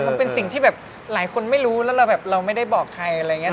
มันเป็นสิ่งที่แบบหลายคนไม่รู้แล้วเราแบบเราไม่ได้บอกใครอะไรอย่างนี้